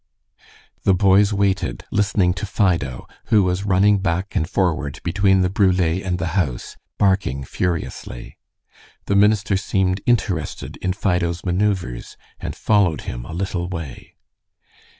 The boys waited, listening to Fido, who was running back and forward between the brule and the house barking furiously. The minister seemed interested in Fido's manoeuvres, and followed him a little way.